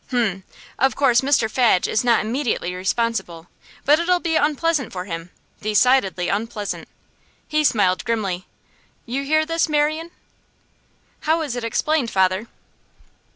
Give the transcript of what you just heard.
'H'm! Of course Mr Fadge is not immediately responsible; but it'll be unpleasant for him, decidedly unpleasant.' He smiled grimly. 'You hear this, Marian?' 'How is it explained, father?